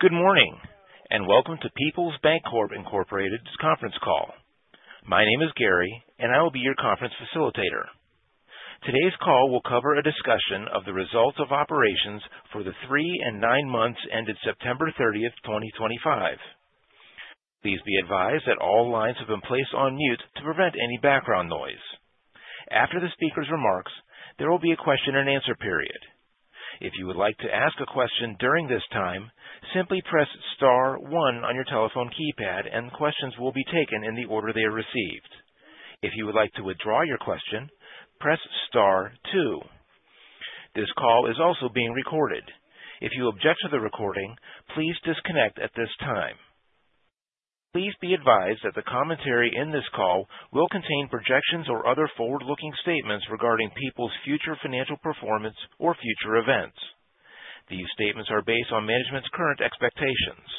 Good morning and welcome to Peoples Bancorp Incorporated's conference call. My name is Gary, and I will be your conference facilitator. Today's call will cover a discussion of the results of operations for the three and nine months ended September 30th, 2025. Please be advised that all lines have been placed on mute to prevent any background noise. After the speaker's remarks, there will be a question-and-answer period. If you would like to ask a question during this time, simply press star one on your telephone keypad, and questions will be taken in the order they are received. If you would like to withdraw your question, press star two. This call is also being recorded. If you object to the recording, please disconnect at this time. Please be advised that the commentary in this call will contain projections or other forward-looking statements regarding Peoples' future financial performance or future events. These statements are based on management's current expectations.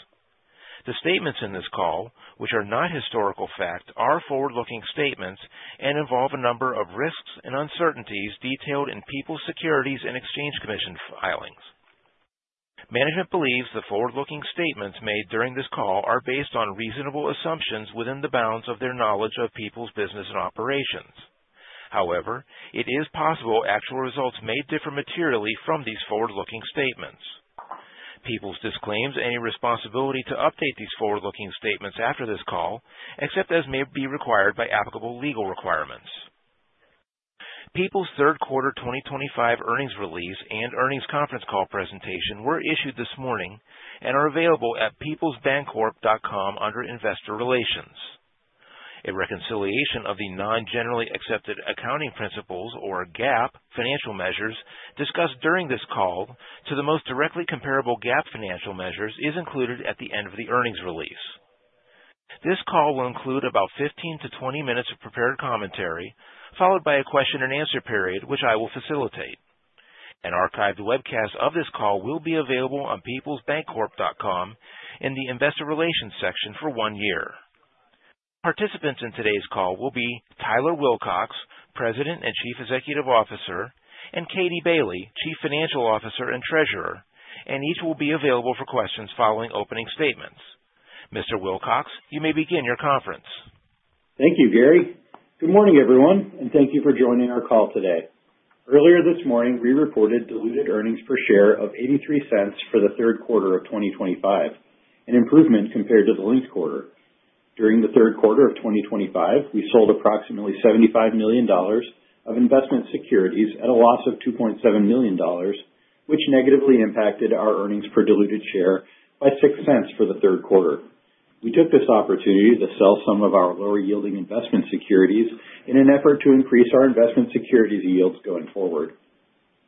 The statements in this call, which are not historical fact, are forward-looking statements and involve a number of risks and uncertainties detailed in Peoples' Securities and Exchange Commission filings. Management believes the forward-looking statements made during this call are based on reasonable assumptions within the bounds of their knowledge of Peoples' business and operations. However, it is possible actual results may differ materially from these forward-looking statements. Peoples disclaims any responsibility to update these forward-looking statements after this call, except as may be required by applicable legal requirements. Peoples' third quarter 2025 earnings release and earnings conference call presentation were issued this morning and are available at peoplesbancorp.com under Investor Relations. A reconciliation of the non-generally accepted accounting principles, or GAAP, financial measures discussed during this call to the most directly comparable GAAP financial measures is included at the end of the earnings release. This call will include about 15-20 minutes of prepared commentary, followed by a question-and-answer period, which I will facilitate. An archived webcast of this call will be available on peoplesbancorp.com in the Investor Relations section for one year. Participants in today's call will be Tyler Wilcox, President and Chief Executive Officer, and Katie Bailey, Chief Financial Officer and Treasurer, and each will be available for questions following opening statements. Mr. Wilcox, you may begin your conference. Thank you, Gary. Good morning, everyone, and thank you for joining our call today. Earlier this morning, we reported diluted earnings per share of $0.83 for the third quarter of 2025, an improvement compared to the linked quarter. During the third quarter of 2025, we sold approximately $75 million of investment securities at a loss of $2.7 million, which negatively impacted our earnings per diluted share by $0.06 for the third quarter. We took this opportunity to sell some of our lower-yielding investment securities in an effort to increase our investment securities yields going forward.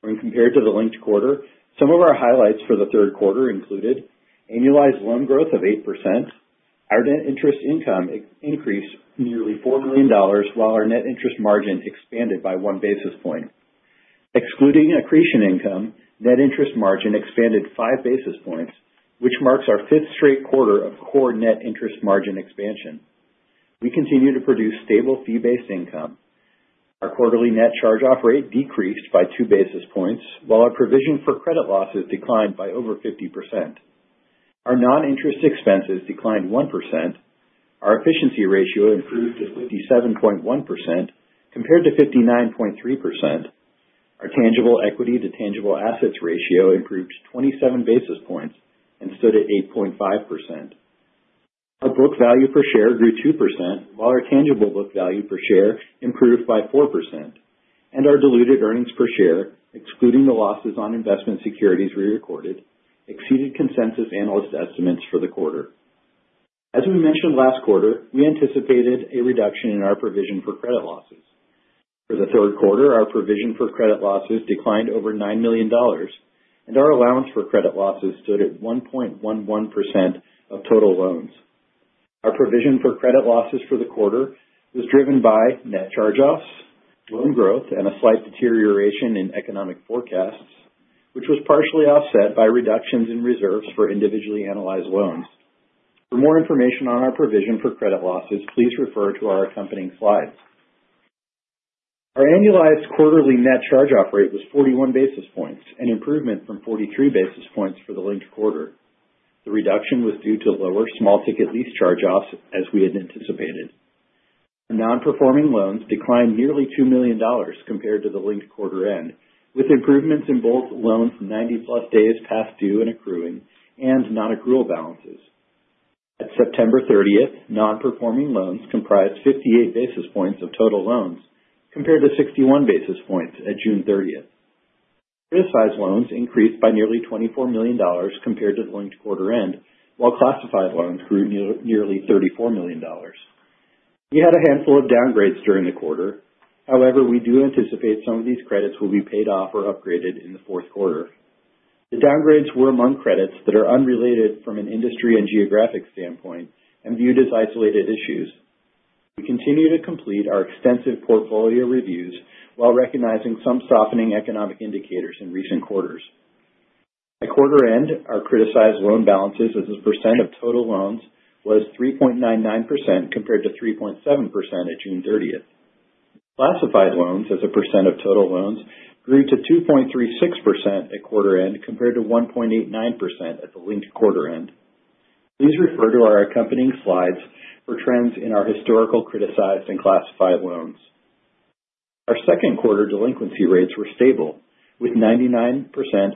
When compared to the linked quarter, some of our highlights for the third quarter included annualized loan growth of 8%, our net interest income increased nearly $4 million, while our net interest margin expanded by 1 basis point. Excluding accretion income, net interest margin expanded 5 basis points, which marks our fifth straight quarter of core net interest margin expansion. We continue to produce stable fee-based income. Our quarterly net charge-off rate decreased by 2 basis points, while our provision for credit losses declined by over 50%. Our non-interest expenses declined 1%. Our efficiency ratio improved to 57.1% compared to 59.3%. Our tangible equity to tangible assets ratio improved 27 basis points and stood at 8.5%. Our book value per share grew 2%, while our tangible book value per share improved by 4%, and our diluted earnings per share, excluding the losses on investment securities we recorded, exceeded consensus analyst estimates for the quarter. As we mentioned last quarter, we anticipated a reduction in our provision for credit losses. For the third quarter, our provision for credit losses declined over $9 million, and our allowance for credit losses stood at 1.11% of total loans. Our provision for credit losses for the quarter was driven by net charge-offs, loan growth, and a slight deterioration in economic forecasts, which was partially offset by reductions in reserves for individually analyzed loans. For more information on our provision for credit losses, please refer to our accompanying slides. Our annualized quarterly net charge-off rate was 41 basis points, an improvement from 43 basis points for the linked quarter. The reduction was due to lower small-ticket lease charge-offs, as we had anticipated. Non-performing loans declined nearly $2 million compared to the linked quarter end, with improvements in both loans 90 plus days past due and accruing and non-accrual balances. At September 30th, non-performing loans comprised 58 basis points of total loans compared to 61 basis points at June 30th. Criticized loans increased by nearly $24 million compared to the linked quarter end, while classified loans grew nearly $34 million. We had a handful of downgrades during the quarter. However, we do anticipate some of these credits will be paid off or upgraded in the fourth quarter. The downgrades were among credits that are unrelated from an industry and geographic standpoint and viewed as isolated issues. We continue to complete our extensive portfolio reviews while recognizing some softening economic indicators in recent quarters. By quarter end, our criticized loan balances as a percent of total loans was 3.99% compared to 3.7% at June 30th. Classified loans as a percent of total loans grew to 2.36% at quarter end compared to 1.89% at the linked quarter end. Please refer to our accompanying slides for trends in our historical criticized and classified loans. Our second quarter delinquency rates were stable, with 99%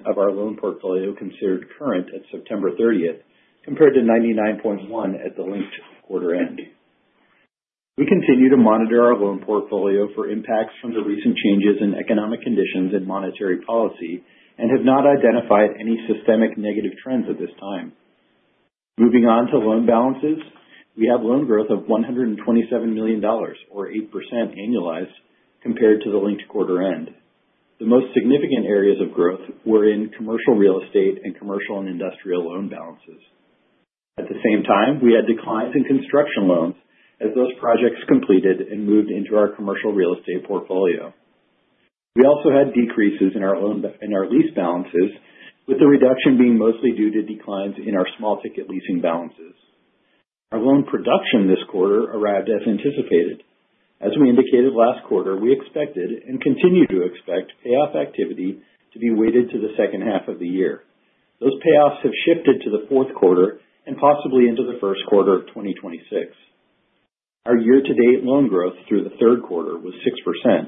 of our loan portfolio considered current at September 30th compared to 99.1% at the linked quarter end. We continue to monitor our loan portfolio for impacts from the recent changes in economic conditions and monetary policy and have not identified any systemic negative trends at this time. Moving on to loan balances, we have loan growth of $127 million, or 8% annualized, compared to the linked quarter end. The most significant areas of growth were in commercial real estate and commercial and industrial loan balances. At the same time, we had declines in construction loans as those projects completed and moved into our commercial real estate portfolio. We also had decreases in our lease balances, with the reduction being mostly due to declines in our small-ticket leasing balances. Our loan production this quarter arrived as anticipated. As we indicated last quarter, we expected and continue to expect payoff activity to be weighted to the second half of the year. Those payoffs have shifted to the fourth quarter and possibly into the first quarter of 2026. Our year-to-date loan growth through the third quarter was 6%,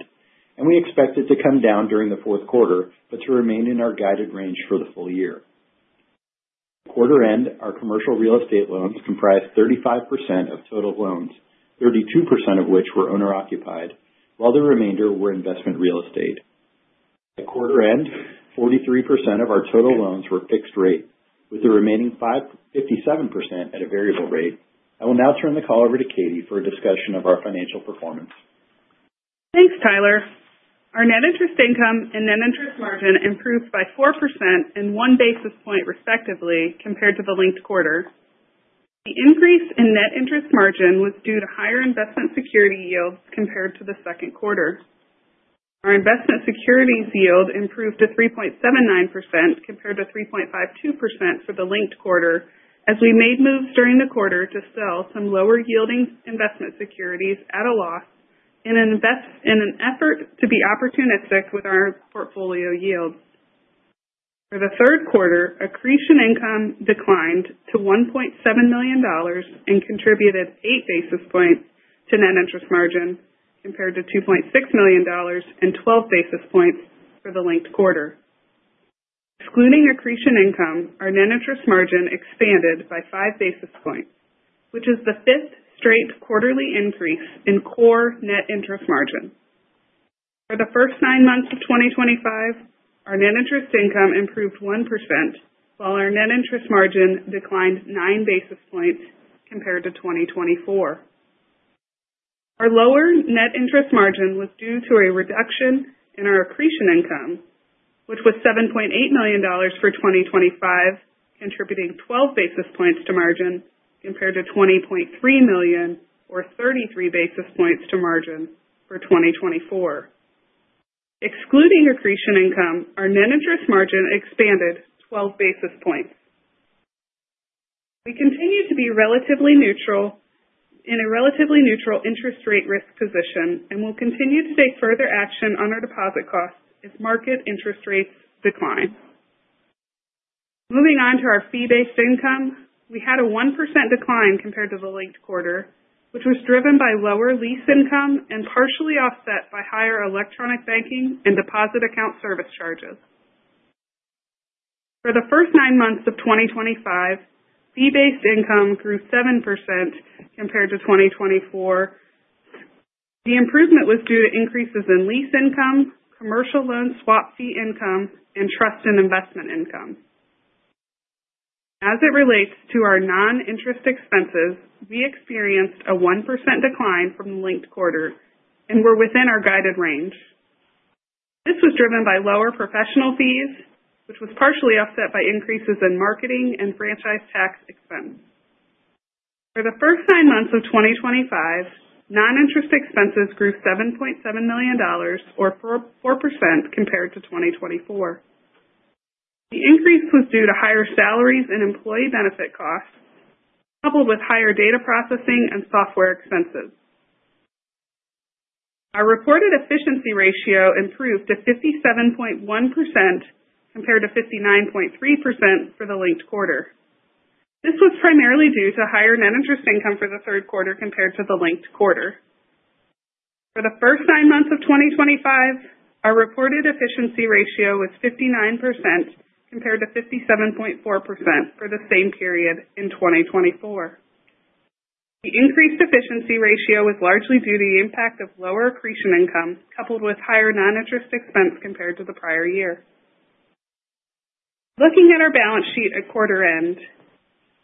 and we expect it to come down during the fourth quarter but to remain in our guided range for the full year. At quarter end, our commercial real estate loans comprised 35% of total loans, 32% of which were owner-occupied, while the remainder were investment real estate. At quarter end, 43% of our total loans were fixed rate, with the remaining 57% at a variable rate. I will now turn the call over to Katie for a discussion of our financial performance. Thanks, Tyler. Our net interest income and net interest margin improved by 4% and 1 basis point respectively compared to the linked quarter. The increase in net interest margin was due to higher investment security yields compared to the second quarter. Our investment securities yield improved to 3.79% compared to 3.52% for the linked quarter, as we made moves during the quarter to sell some lower-yielding investment securities at a loss in an effort to be opportunistic with our portfolio yields. For the third quarter, accretion income declined to $1.7 million and contributed 8 basis points to net interest margin compared to $2.6 million and 12 basis points for the linked quarter. Excluding accretion income, our net interest margin expanded by 5 basis points, which is the fifth straight quarterly increase in core net interest margin. For the first nine months of 2025, our net interest income improved 1%, while our net interest margin declined 9 basis points compared to 2024. Our lower net interest margin was due to a reduction in our accretion income, which was $7.8 million for 2025, contributing 12 basis points to margin compared to $20.3 million, or 33 basis points to margin for 2024. Excluding accretion income, our net interest margin expanded 12 basis points. We continue to be relatively neutral in a relatively neutral interest rate risk position and will continue to take further action on our deposit costs as market interest rates decline. Moving on to our fee-based income, we had a 1% decline compared to the linked quarter, which was driven by lower lease income and partially offset by higher electronic banking and deposit account service charges. For the first nine months of 2025, fee-based income grew 7% compared to 2024. The improvement was due to increases in lease income, commercial loan swap fee income, and trust and investment income. As it relates to our non-interest expenses, we experienced a 1% decline from the linked quarter and were within our guided range. This was driven by lower professional fees, which was partially offset by increases in marketing and franchise tax expense. For the first nine months of 2025, non-interest expenses grew $7.7 million, or 4% compared to 2024. The increase was due to higher salaries and employee benefit costs, coupled with higher data processing and software expenses. Our reported efficiency ratio improved to 57.1% compared to 59.3% for the linked quarter. This was primarily due to higher net interest income for the third quarter compared to the linked quarter. For the first nine months of 2025, our reported efficiency ratio was 59% compared to 57.4% for the same period in 2024. The increased efficiency ratio was largely due to the impact of lower accretion income coupled with higher non-interest expense compared to the prior year. Looking at our balance sheet at quarter end,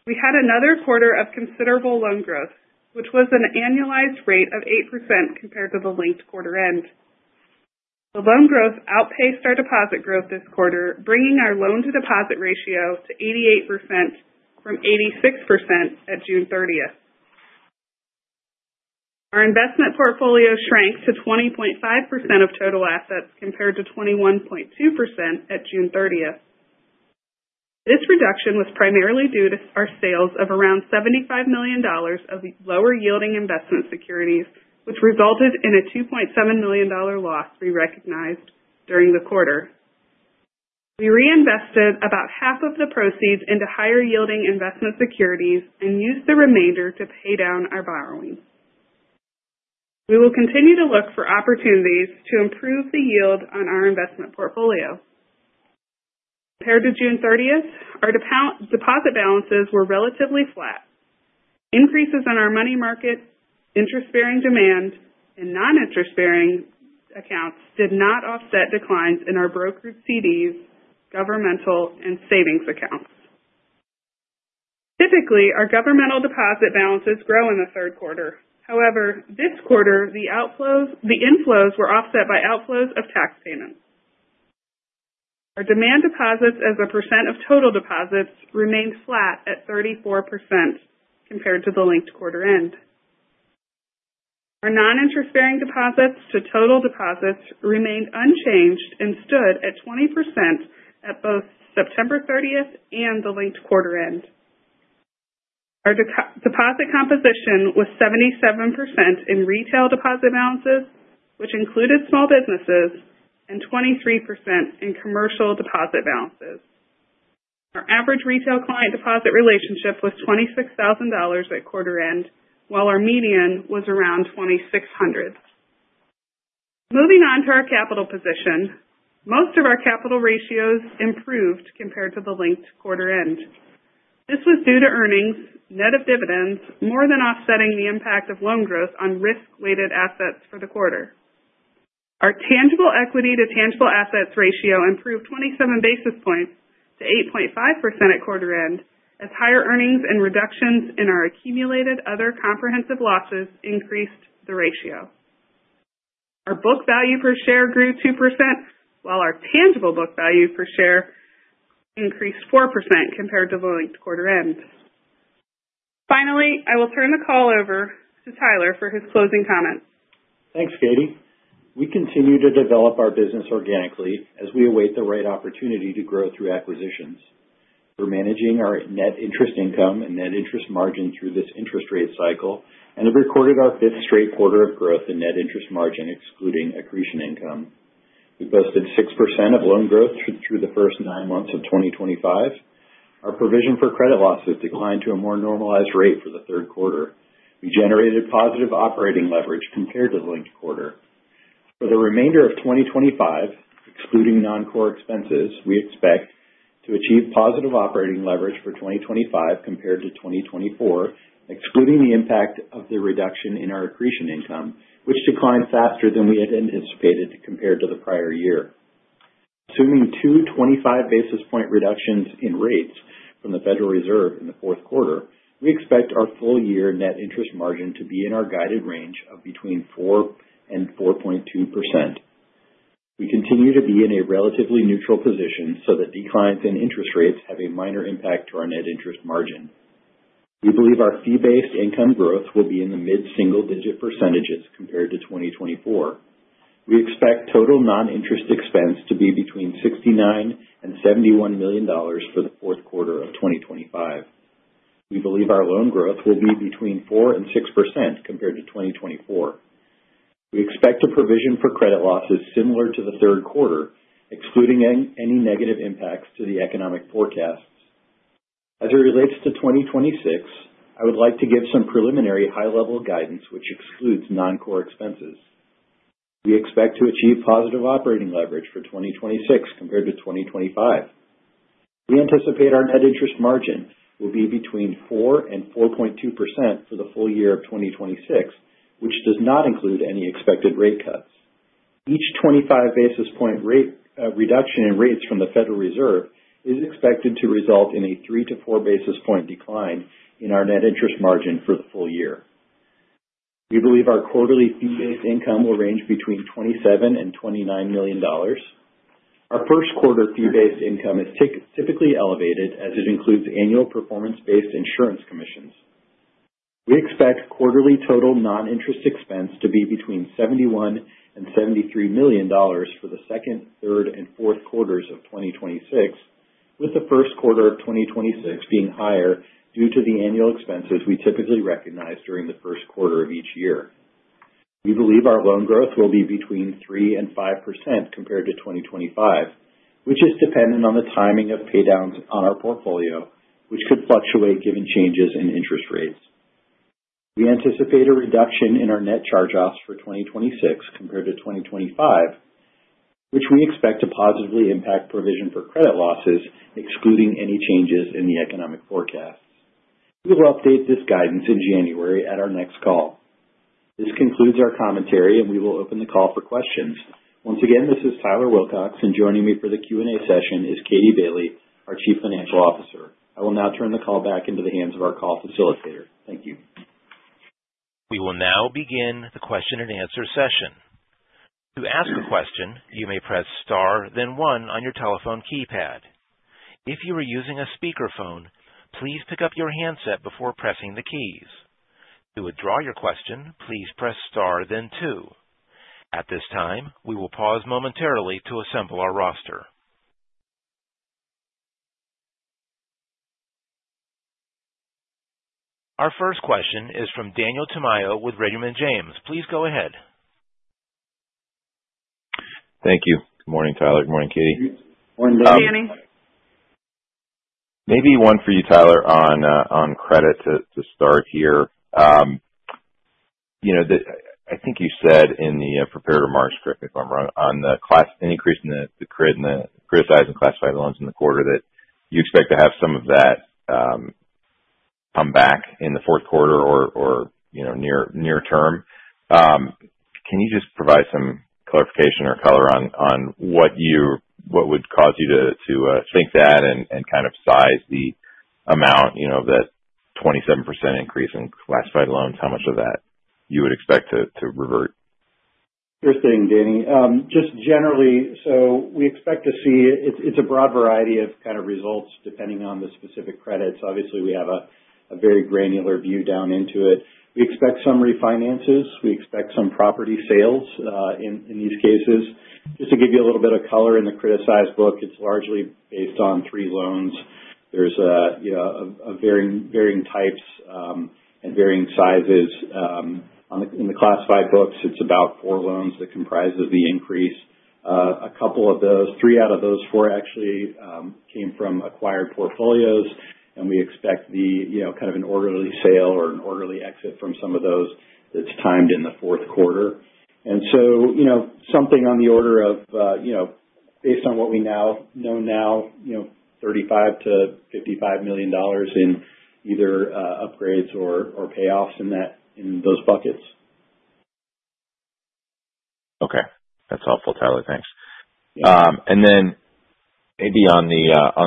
we had another quarter of considerable loan growth, which was an annualized rate of 8% compared to the linked quarter end. The loan growth outpaced our deposit growth this quarter, bringing our loan-to-deposit ratio to 88% from 86% at June 30th. Our investment portfolio shrank to 20.5% of total assets compared to 21.2% at June 30th. This reduction was primarily due to our sales of around $75 million of lower-yielding investment securities, which resulted in a $2.7 million loss we recognized during the quarter. We reinvested about half of the proceeds into higher-yielding investment securities and used the remainder to pay down our borrowing. We will continue to look for opportunities to improve the yield on our investment portfolio. Compared to June 30th, our deposit balances were relatively flat. Increases in our money market, interest-bearing demand, and non-interest-bearing accounts did not offset declines in our brokered CDs, governmental, and savings accounts. Typically, our governmental deposit balances grow in the third quarter. However, this quarter, the inflows were offset by outflows of tax payments. Our demand deposits as a percent of total deposits remained flat at 34% compared to the linked quarter end. Our non-interest-bearing deposits to total deposits remained unchanged and stood at 20% at both September 30th and the linked quarter end. Our deposit composition was 77% in retail deposit balances, which included small businesses, and 23% in commercial deposit balances. Our average retail client deposit relationship was $26,000 at quarter end, while our median was around $2,600. Moving on to our capital position, most of our capital ratios improved compared to the linked quarter end. This was due to earnings, net of dividends, more than offsetting the impact of loan growth on risk-weighted assets for the quarter. Our tangible equity to tangible assets ratio improved 27 basis points to 8.5% at quarter end, as higher earnings and reductions in our accumulated other comprehensive losses increased the ratio. Our book value per share grew 2%, while our tangible book value per share increased 4% compared to the linked quarter end. Finally, I will turn the call over to Tyler for his closing comments. Thanks, Katie. We continue to develop our business organically as we await the right opportunity to grow through acquisitions. We're managing our net interest income and net interest margin through this interest rate cycle, and have recorded our fifth straight quarter of growth in net interest margin, excluding accretion income. We posted 6% of loan growth through the first nine months of 2025. Our provision for credit losses declined to a more normalized rate for the third quarter. We generated positive operating leverage compared to the linked quarter. For the remainder of 2025, excluding non-core expenses, we expect to achieve positive operating leverage for 2025 compared to 2024, excluding the impact of the reduction in our accretion income, which declined faster than we had anticipated compared to the prior year. Assuming two 25-basis-point reductions in rates from the Federal Reserve in the fourth quarter, we expect our full-year net interest margin to be in our guided range of between 4% and 4.2%. We continue to be in a relatively neutral position so that declines in interest rates have a minor impact to our net interest margin. We believe our fee-based income growth will be in the mid-single-digit percentages compared to 2024. We expect total non-interest expense to be between $69 million and $71 million for the fourth quarter of 2025. We believe our loan growth will be between 4% and 6% compared to 2024. We expect a provision for credit losses similar to the third quarter, excluding any negative impacts to the economic forecasts. As it relates to 2026, I would like to give some preliminary high-level guidance, which excludes non-core expenses. We expect to achieve positive operating leverage for 2026 compared to 2025. We anticipate our net interest margin will be between 4% and 4.2% for the full year of 2026, which does not include any expected rate cuts. Each 25-basis-point reduction in rates from the Federal Reserve is expected to result in a 3-4 basis-point decline in our net interest margin for the full year. We believe our quarterly fee-based income will range between $27 million and $29 million. Our first quarter fee-based income is typically elevated as it includes annual performance-based insurance commissions. We expect quarterly total non-interest expense to be between $71 million and $73 million for the second, third, and fourth quarters of 2026, with the first quarter of 2026 being higher due to the annual expenses we typically recognize during the first quarter of each year. We believe our loan growth will be between 3% and 5% compared to 2025, which is dependent on the timing of paydowns on our portfolio, which could fluctuate given changes in interest rates. We anticipate a reduction in our net charge-offs for 2026 compared to 2025, which we expect to positively impact provision for credit losses, excluding any changes in the economic forecasts. We will update this guidance in January at our next call. This concludes our commentary, and we will open the call for questions. Once again, this is Tyler Wilcox, and joining me for the Q&A session is Katie Bailey, our Chief Financial Officer. I will now turn the call back into the hands of our call facilitator. Thank you. We will now begin the question-and-answer session. To ask a question, you may press star, then one on your telephone keypad. If you are using a speakerphone, please pick up your handset before pressing the keys. To withdraw your question, please press star, then two. At this time, we will pause momentarily to assemble our roster. Our first question is from Daniel Tamayo with Raymond James. Please go ahead. Thank you. Good morning, Tyler. Good morning, Katie. Morning, Daniel. Maybe one for you, Tyler, on credit to start here. I think you said in the prepared remarks, correct me if I'm wrong, on the increase in the criticized and classified loans in the quarter that you expect to have some of that come back in the fourth quarter or near term. Can you just provide some clarification or color on what would cause you to think that and kind of size the amount of that 27% increase in classified loans? How much of that you would expect to revert? Good question, Danny. Just generally, so we expect to see. It's a broad variety of kind of results depending on the specific credits. Obviously, we have a very granular view down into it. We expect some refinances. We expect some property sales in these cases. Just to give you a little bit of color in the criticized book, it's largely based on three loans. There's varying types and varying sizes. In the classified books, it's about four loans that comprise the increase. A couple of those, three out of those four, actually came from acquired portfolios, and we expect kind of an orderly sale or an orderly exit from some of those that's timed in the fourth quarter. And so something on the order of, based on what we now know, $35 million-$55 million in either upgrades or payoffs in those buckets. Okay. That's helpful, Tyler. Thanks. And then maybe on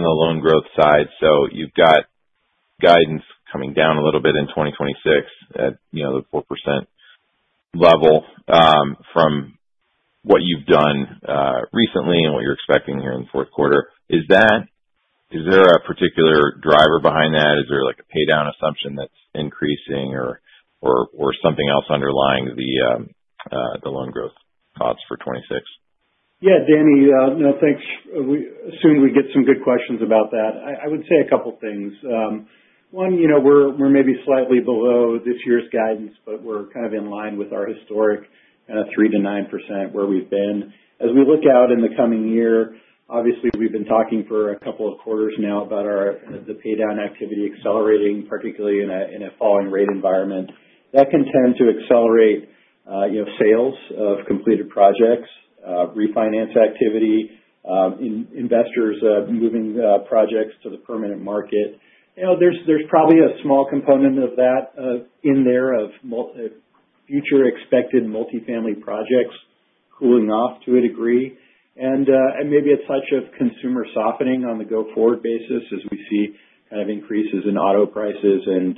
the loan growth side, so you've got guidance coming down a little bit in 2026 at the 4% level from what you've done recently and what you're expecting here in the fourth quarter. Is there a particular driver behind that? Is there a paydown assumption that's increasing or something else underlying the loan growth costs for 2026? Yeah, Danny, thanks. Soon we get some good questions about that. I would say a couple of things. One, we're maybe slightly below this year's guidance, but we're kind of in line with our historic 3%-9% where we've been. As we look out in the coming year, obviously, we've been talking for a couple of quarters now about the paydown activity accelerating, particularly in a falling rate environment. That can tend to accelerate sales of completed projects, refinance activity, investors moving projects to the permanent market. There's probably a small component of that in there of future expected multifamily projects cooling off to a degree. And maybe it's such a consumer softening on the go-forward basis as we see kind of increases in auto prices and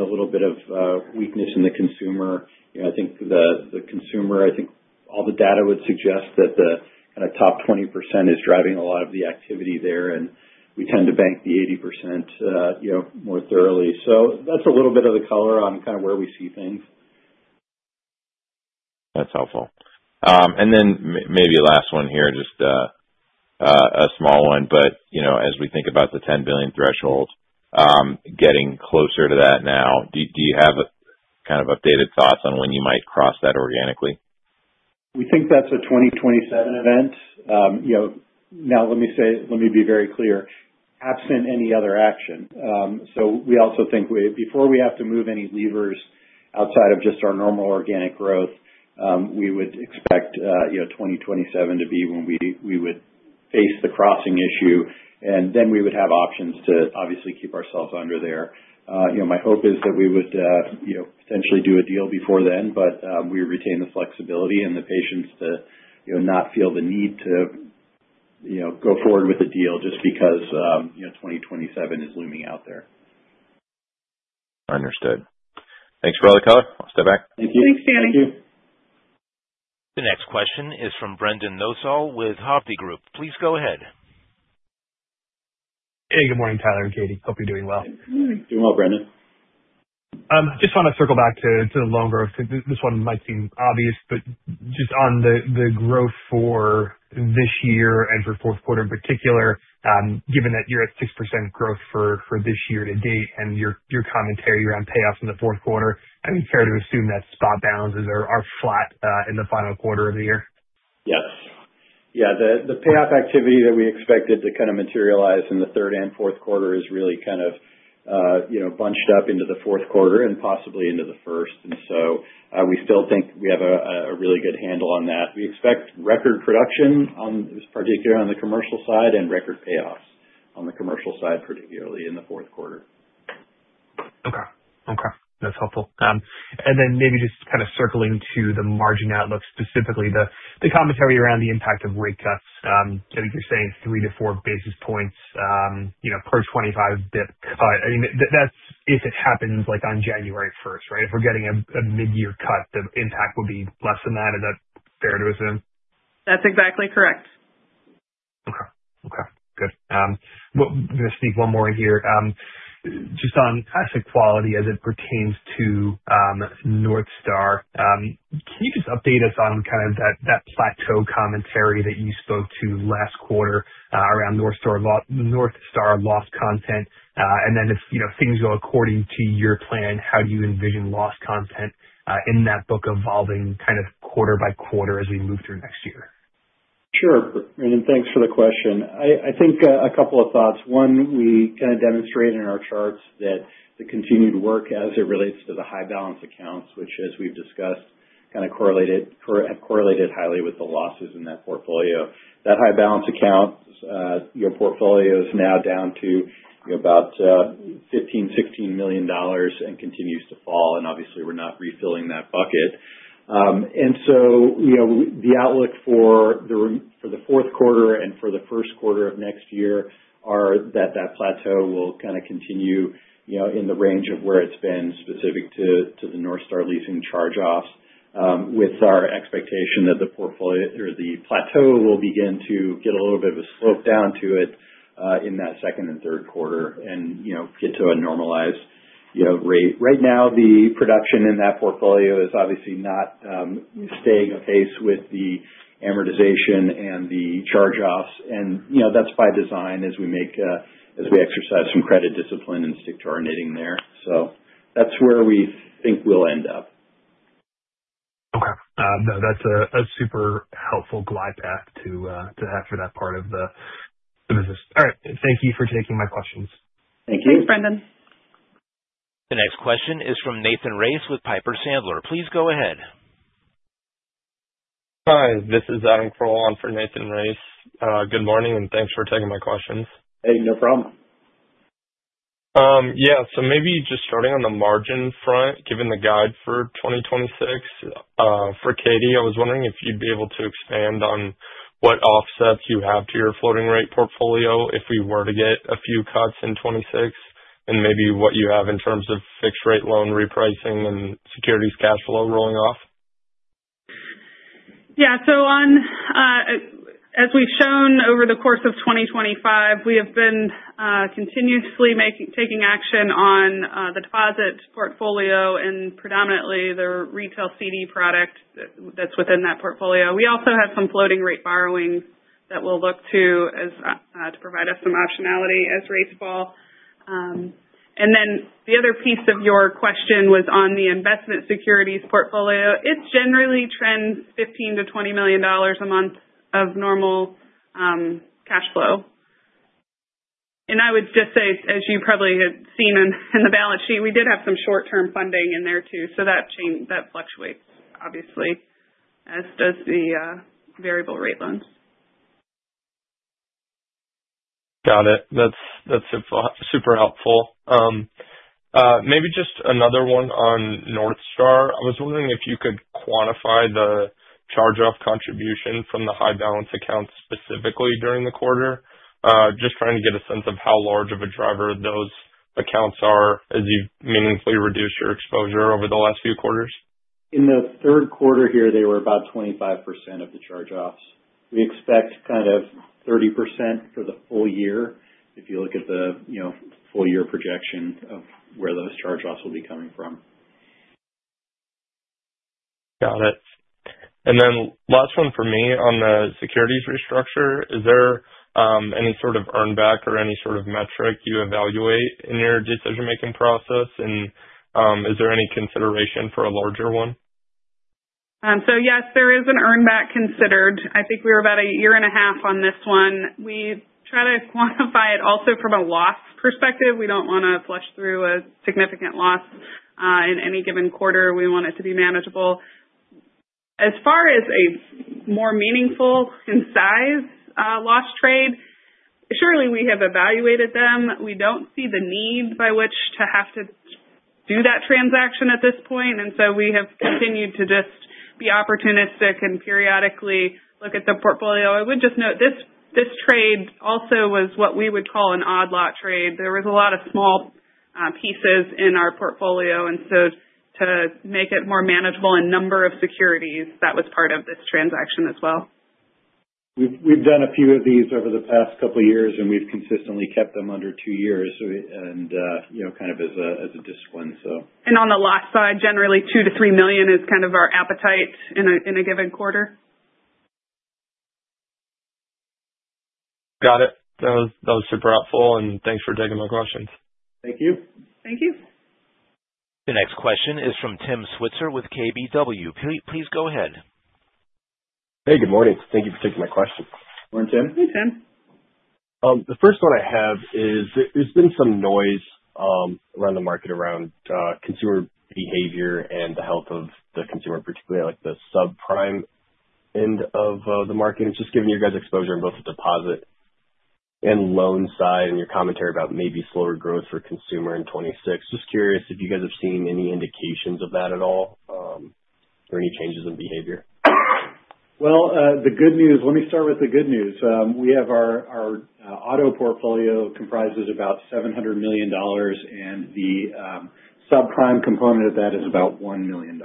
a little bit of weakness in the consumer. I think the consumer, I think all the data would suggest that the kind of top 20% is driving a lot of the activity there, and we tend to bank the 80% more thoroughly. So that's a little bit of the color on kind of where we see things. That's helpful. And then maybe last one here, just a small one, but as we think about the 10 billion threshold, getting closer to that now, do you have kind of updated thoughts on when you might cross that organically? We think that's a 2027 event. Now, let me be very clear, absent any other action. So we also think before we have to move any levers outside of just our normal organic growth, we would expect 2027 to be when we would face the crossing issue, and then we would have options to obviously keep ourselves under there. My hope is that we would potentially do a deal before then, but we retain the flexibility and the patience to not feel the need to go forward with a deal just because 2027 is looming out there. Understood. Thanks for the color. I'll step back. Thank you. Thanks, Daniel. Thank you. The next question is from Brendan Nosal with Hovde Group. Please go ahead. Hey, good morning, Tyler and Katie. Hope you're doing well. Doing well, Brendan. Just want to circle back to the loan growth. This one might seem obvious, but just on the growth for this year and for fourth quarter in particular, given that you're at 6% growth for this year-to-date and your commentary around payoffs in the fourth quarter, I would dare to assume that spot balances are flat in the final quarter of the year? Yes. Yeah. The payoff activity that we expected to kind of materialize in the third and fourth quarter is really kind of bunched up into the fourth quarter and possibly into the first, and so we still think we have a really good handle on that. We expect record production, particularly on the commercial side, and record payoffs on the commercial side, particularly in the fourth quarter. Okay. Okay. That's helpful. And then maybe just kind of circling to the margin outlook, specifically the commentary around the impact of rate cuts. You're saying 3-4 basis points per 25 bp cut. I mean, that's if it happens on January 1st, right? If we're getting a mid-year cut, the impact would be less than that. Is that fair to assume? That's exactly correct. Okay. Okay. Good. I'm going to sneak one more in here. Just on asset quality as it pertains to North Star, can you just update us on kind of that plateau commentary that you spoke to last quarter around North Star loss content? And then if things go according to your plan, how do you envision loss content in that book evolving kind of quarter-by-quarter as we move through next year? Sure. Brendan, thanks for the question. I think a couple of thoughts. One, we kind of demonstrate in our charts that the continued work as it relates to the high balance accounts, which, as we've discussed, kind of correlated highly with the losses in that portfolio. That high balance account, your portfolio is now down to about $15 million -$16 million and continues to fall. And obviously, we're not refilling that bucket. And so the outlook for the fourth quarter and for the first quarter of next year is that that plateau will kind of continue in the range of where it's been specific to the North Star Leasing charge-offs, with our expectation that the plateau will begin to get a little bit of a slope down to it in that second and third quarter and get to a normalized rate. Right now, the production in that portfolio is obviously not staying the pace with the amortization and the charge-offs. And that's by design as we exercise some credit discipline and stick to our knitting there. So that's where we think we'll end up. Okay. No, that's a super helpful glide path to have for that part of the business. All right. Thank you for taking my questions. Thank you. Thanks, Brendan. The next question is from Nathan Race with Piper Sandler. Please go ahead. Hi. This is Adam Kroll on for Nathan Race. Good morning, and thanks for taking my questions. Hey, no problem. Yeah, so maybe just starting on the margin front, given the guide for 2026 for Katie, I was wondering if you'd be able to expand on what offsets you have to your floating rate portfolio if we were to get a few cuts in 2026 and maybe what you have in terms of fixed-rate loan repricing and securities cash flow rolling off. Yeah. So as we've shown over the course of 2025, we have been continuously taking action on the deposit portfolio and predominantly the retail CD product that's within that portfolio. We also have some floating rate borrowing that we'll look to provide us some optionality as rates fall. And then the other piece of your question was on the investment securities portfolio. It generally trends $15 million-$20 million a month of normal cash flow. And I would just say, as you probably had seen in the balance sheet, we did have some short-term funding in there too. So that fluctuates, obviously, as does the variable rate loans. Got it. That's super helpful. Maybe just another one on North Star. I was wondering if you could quantify the charge-off contribution from the high balance accounts specifically during the quarter, just trying to get a sense of how large of a driver those accounts are as you've meaningfully reduced your exposure over the last few quarters. In the third quarter here, they were about 25% of the charge-offs. We expect kind of 30% for the full year if you look at the full-year projection of where those charge-offs will be coming from. Got it. And then last one for me on the securities restructure. Is there any sort of earnback or any sort of metric you evaluate in your decision-making process? And is there any consideration for a larger one? So yes, there is an earnback considered. I think we were about a year and a half on this one. We try to quantify it also from a loss perspective. We don't want to flush through a significant loss in any given quarter. We want it to be manageable. As far as a more meaningful in size loss trade, surely we have evaluated them. We don't see the need by which to have to do that transaction at this point. And so we have continued to just be opportunistic and periodically look at the portfolio. I would just note this trade also was what we would call an odd lot trade. There was a lot of small pieces in our portfolio. And so to make it more manageable in number of securities, that was part of this transaction as well. We've done a few of these over the past couple of years, and we've consistently kept them under two years and kind of as a discipline, so. On the loss side, generally, $2 million-$3 million is kind of our appetite in a given quarter. Got it. That was super helpful, and thanks for taking my questions. Thank you. Thank you. The next question is from Tim Switzer with KBW. Please go ahead. Hey, good morning. Thank you for taking my question. Morning, Tim. Hey, Tim. The first one I have is there's been some noise around the market around consumer behavior and the health of the consumer, particularly the subprime end of the market. It's just giving you guys exposure on both the deposit and loan side and your commentary about maybe slower growth for consumer in 2026. Just curious if you guys have seen any indications of that at all or any changes in behavior? Well, the good news, let me start with the good news. We have our auto portfolio comprises about $700 million, and the subprime component of that is about $1 million.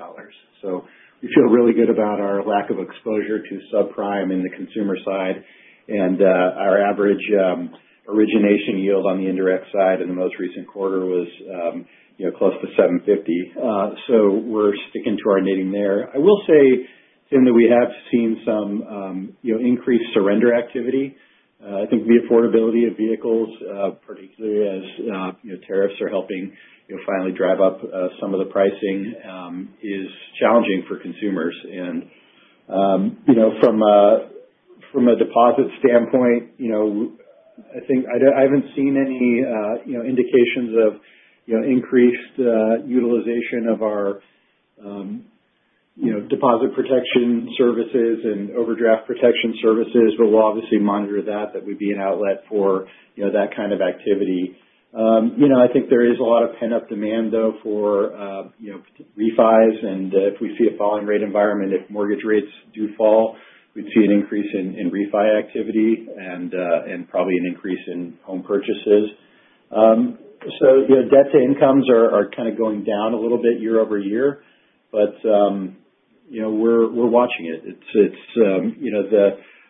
So we feel really good about our lack of exposure to subprime in the consumer side. And our average origination yield on the indirect side in the most recent quarter was close to $750. So we're sticking to our knitting there. I will say, Tim, that we have seen some increased surrender activity. I think the affordability of vehicles, particularly as tariffs are helping finally drive up some of the pricing, is challenging for consumers. And from a deposit standpoint, I think I haven't seen any indications of increased utilization of our deposit protection services and overdraft protection services, but we'll obviously monitor that. That would be an outlet for that kind of activity. I think there is a lot of pent-up demand, though, for refis. And if we see a falling rate environment, if mortgage rates do fall, we'd see an increase in refi activity and probably an increase in home purchases. So debt to incomes are kind of going down a little bit year over year, but we're watching it.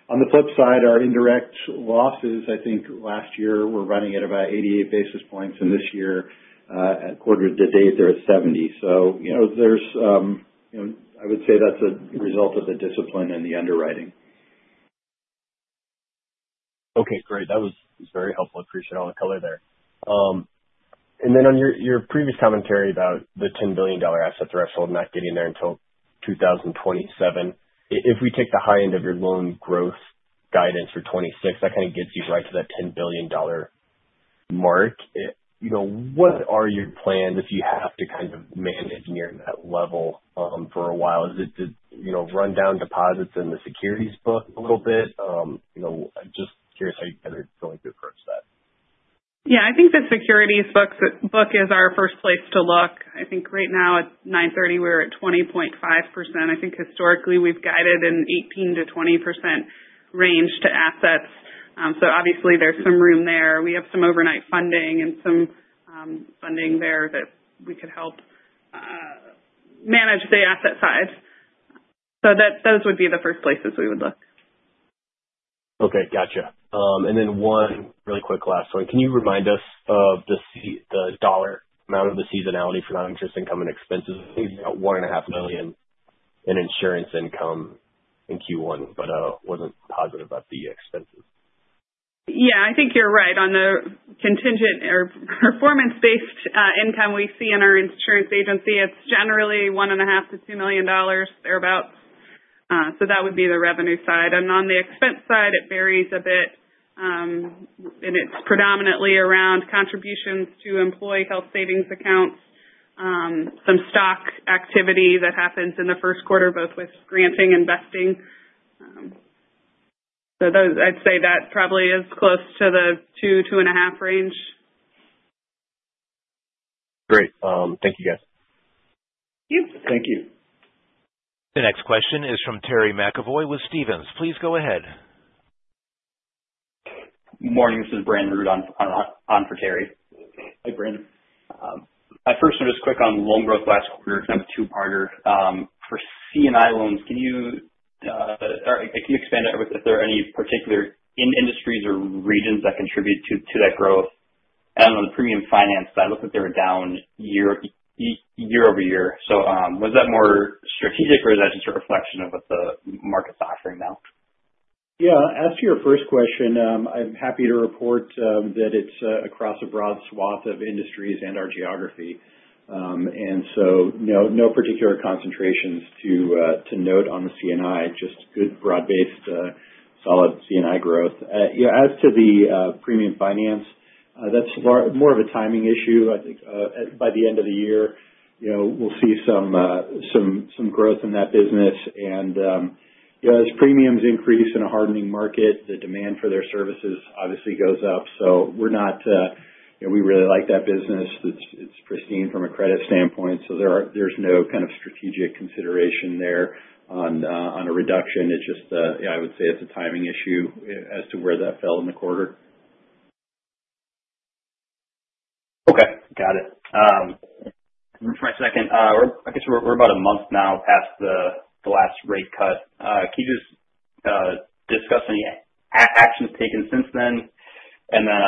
On the flip side, our indirect losses, I think last year we're running at about 88 basis points, and this year, at quarter to date, they're at 70. So I would say that's a result of the discipline and the underwriting. Okay. Great. That was very helpful. Appreciate all the color there. And then on your previous commentary about the $10 billion asset threshold not getting there until 2027, if we take the high end of your loan growth guidance for 2026, that kind of gets you right to that $10 billion mark. What are your plans if you have to kind of manage near that level for a while? Is it to run down deposits in the securities book a little bit? I'm just curious how you guys are going to approach that. Yeah. I think the securities book is our first place to look. I think right now at 9:30 A.M., we're at 20.5%. I think historically we've guided an 18%-20% range to assets. So obviously, there's some room there. We have some overnight funding and some funding there that we could help manage the asset side. So those would be the first places we would look. Okay. Gotcha. And then one really quick last one. Can you remind us of the dollar amount of the seasonality for non-interest income and expenses? I think it's about $1.5 million in insurance income in Q1, but I wasn't positive about the expenses. Yeah. I think you're right. On the contingent or performance-based income we see in our insurance agency, it's generally $1.5 million-$2 million thereabouts. So that would be the revenue side. And on the expense side, it varies a bit, and it's predominantly around contributions to employee health savings accounts, some stock activity that happens in the first quarter, both with granting and vesting. So I'd say that probably is close to the $2 million-$2.5million range. Great. Thank you, guys. Yep. Thank you. The next question is from Terry McEvoy with Stephens. Please go ahead. Morning. This is Brandon Root for Terry. Hi, Brandon. I first wanted to just quick on loan growth last quarter, kind of a two-parter. For C&I loans, can you expand if there are any particular industries or regions that contribute to that growth, and on the premium finance side, it looks like they were down year over year, so was that more strategic, or is that just a reflection of what the market's offering now? Yeah. As for your first question, I'm happy to report that it's across a broad swath of industries and our geography, and so no particular concentrations to note on the C&I, just good broad-based solid C&I growth. As to the premium finance, that's more of a timing issue. I think by the end of the year, we'll see some growth in that business, and as premiums increase in a hardening market, the demand for their services obviously goes up. So we're not, we really like that business. It's pristine from a credit standpoint. So there's no kind of strategic consideration there on a reduction. It's just, yeah, I would say it's a timing issue as to where that fell in the quarter. Okay. Got it. Let me try a second. I guess we're about a month now past the last rate cut. Can you just discuss any actions taken since then and then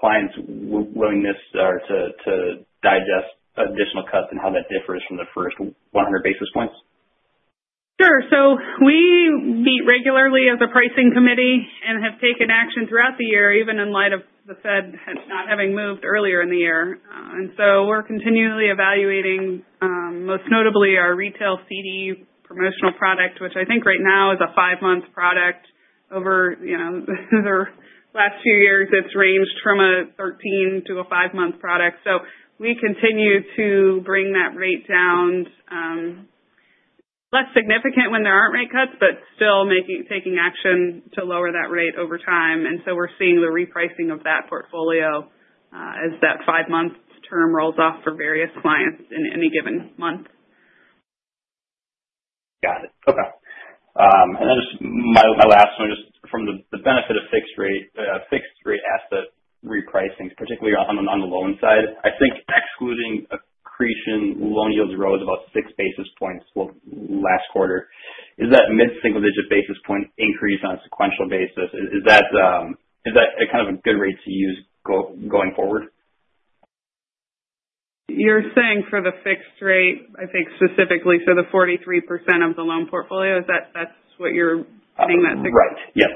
clients' willingness to digest additional cuts and how that differs from the first 100 basis points? Sure. So we meet regularly as a pricing committee and have taken action throughout the year, even in light of the Fed not having moved earlier in the year. And so we're continually evaluating, most notably our retail CD promotional product, which I think right now is a five-month product. Over the last few years, it's ranged from a 13- to a five-month product. So we continue to bring that rate down, less significant when there aren't rate cuts, but still taking action to lower that rate over time. And so we're seeing the repricing of that portfolio as that five-month term rolls off for various clients in any given month. Got it. Okay. And then just my last one just from the benefit of fixed rate asset repricing, particularly on the loan side. I think excluding accretion, loan yields rose about 6 basis points last quarter. Is that mid-single-digit basis point increase on a sequential basis? Is that kind of a good rate to use going forward? You're saying for the fixed rate, I think specifically for the 43% of the loan portfolio, that's what you're saying? Right. Yep.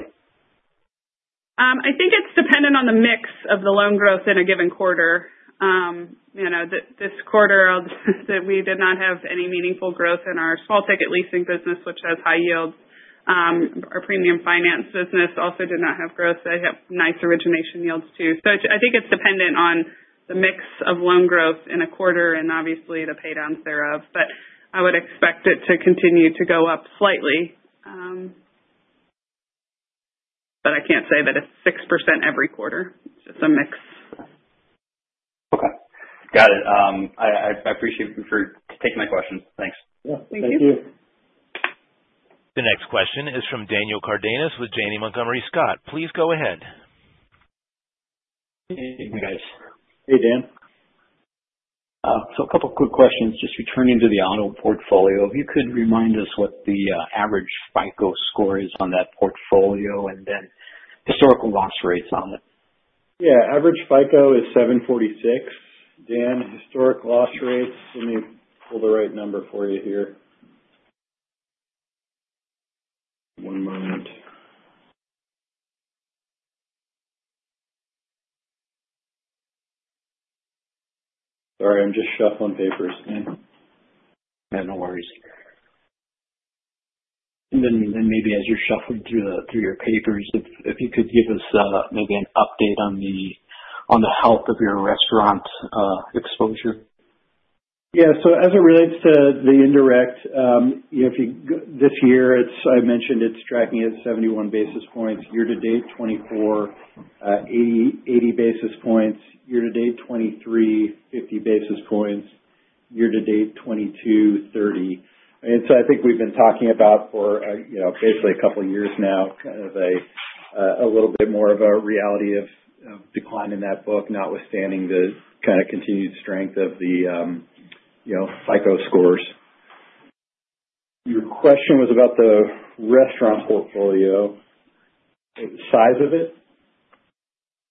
I think it's dependent on the mix of the loan growth in a given quarter. This quarter, we did not have any meaningful growth in our small ticket leasing business, which has high yields. Our premium finance business also did not have growth. They have nice origination yields too. So I think it's dependent on the mix of loan growth in a quarter and obviously the paydowns thereof. But I would expect it to continue to go up slightly. But I can't say that it's 6% every quarter. It's just a mix. Okay. Got it. I appreciate you taking my questions. Thanks. Yeah. Thank you. The next question is from Daniel Cardenas with Janney Montgomery Scott. Please go ahead. Hey, guys. Hey, Dan. So a couple of quick questions. Just returning to the auto portfolio, if you could remind us what the average FICO score is on that portfolio and then historical loss rates on it? Yeah. Average FICO is 746. Dan, historic loss rates, let me pull the right number for you here. One moment. Sorry, I'm just shuffling papers. Yeah. No worries, and then maybe as you're shuffling through your papers, if you could give us maybe an update on the health of your restaurant exposure. Yeah. So as it relates to the indirect, this year, I mentioned it's tracking at 71 basis points. year-to-date, 2024, 80 basis points. year-to-date, 2023, 50 basis points. year-to-date, 2022, 30. And so I think we've been talking about for basically a couple of years now kind of a little bit more of a reality of decline in that book, notwithstanding the kind of continued strength of the FICO scores. Your question was about the restaurant portfolio. The size of it?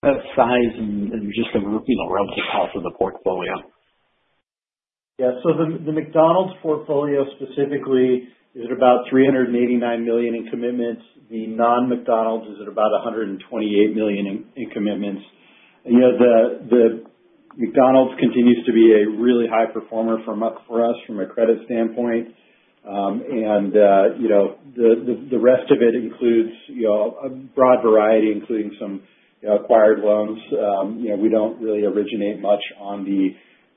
The size and just the relative health of the portfolio. Yeah. So the McDonald's portfolio specifically, is it about $389 million in commitments? The non-McDonald's, is it about $128 million in commitments? The McDonald's continues to be a really high performer for us from a credit standpoint. And the rest of it includes a broad variety, including some acquired loans. We don't really originate much on the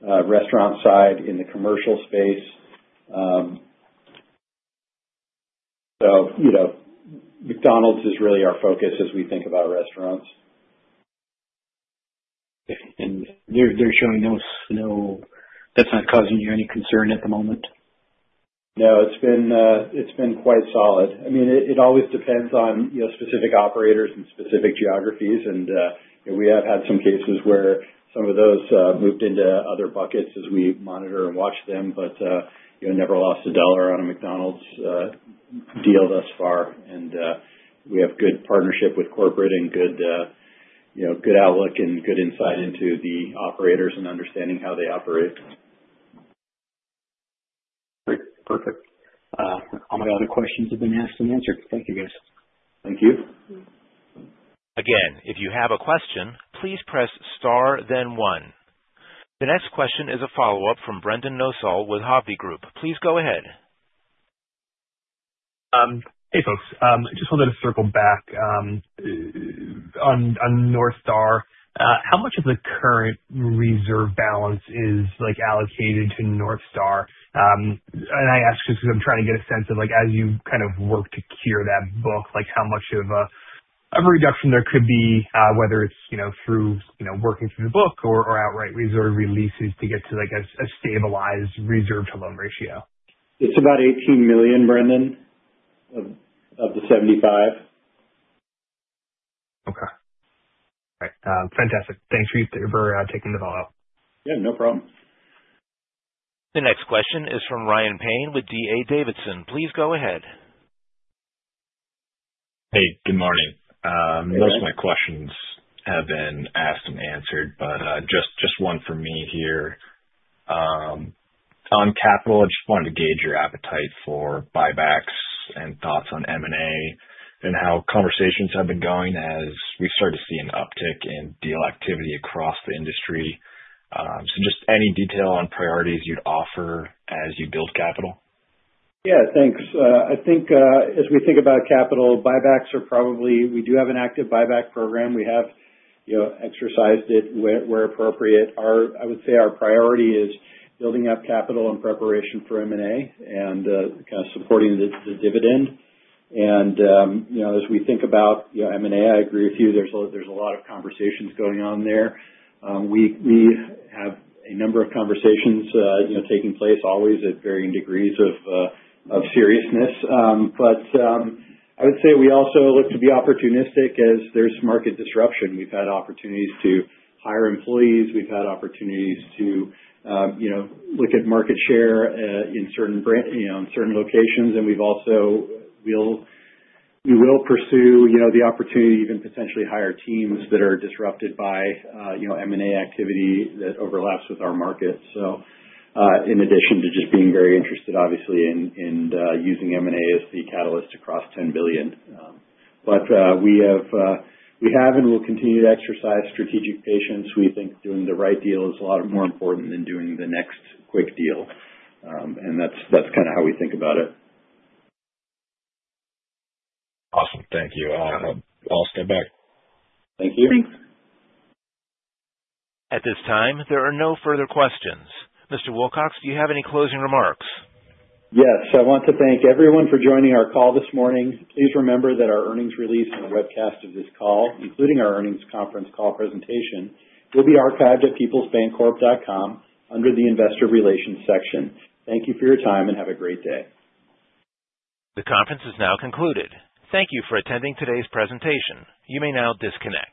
restaurant side in the commercial space. So McDonald's is really our focus as we think about restaurants. And they're showing no—that's not causing you any concern at the moment? No. It's been quite solid. I mean, it always depends on specific operators and specific geographies, and we have had some cases where some of those moved into other buckets as we monitor and watch them, but never lost a dollar on a McDonald's deal thus far, and we have good partnership with corporate and good outlook and good insight into the operators and understanding how they operate. Great. Perfect. All my other questions have been asked and answered. Thank you, guys. Thank you. Again, if you have a question, please press star, then one. The next question is a follow-up from Brendan Nosal with Hovde Group. Please go ahead. Hey, folks. Just wanted to circle back on North Star. How much of the current reserve balance is allocated to North Star? And I ask just because I'm trying to get a sense of, as you kind of work to cure that book, how much of a reduction there could be, whether it's through working through the book or outright reserve releases to get to a stabilized reserve-to-loan ratio? It's about $18 million, Brendan, of the $75 million. Okay. All right. Fantastic. Thanks for taking the call. Yeah. No problem. The next question is from Ryan Payne with D.A. Davidson. Please go ahead. Hey. Good morning. Most of my questions have been asked and answered, but just one for me here. On capital, I just wanted to gauge your appetite for buybacks and thoughts on M&A and how conversations have been going as we started to see an uptick in deal activity across the industry. So just any detail on priorities you'd offer as you build capital? Yeah. Thanks. I think as we think about capital, buybacks are probably, we do have an active buyback program. We have exercised it where appropriate. I would say our priority is building up capital in preparation for M&A and kind of supporting the dividend, and as we think about M&A, I agree with you. There's a lot of conversations going on there. We have a number of conversations taking place, always at varying degrees of seriousness, but I would say we also look to be opportunistic as there's market disruption. We've had opportunities to hire employees. We've had opportunities to look at market share in certain locations, and we will pursue the opportunity to even potentially hire teams that are disrupted by M&A activity that overlaps with our market, so in addition to just being very interested, obviously, in using M&A as the catalyst to cross $10 billion. But we have and will continue to exercise strategic patience. We think doing the right deal is a lot more important than doing the next quick deal. And that's kind of how we think about it. Awesome. Thank you. I'll step back. Thank you. Thanks. At this time, there are no further questions. Mr. Wilcox, do you have any closing remarks? Yes. I want to thank everyone for joining our call this morning. Please remember that our earnings release and webcast of this call, including our earnings conference call presentation, will be archived at peoplesbancorp.com under the Investor Relations section. Thank you for your time and have a great day. The conference is now concluded. Thank you for attending today's presentation. You may now disconnect.